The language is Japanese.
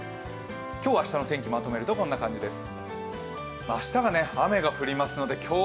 今日、明日の天気をまとめるとこんな感じです。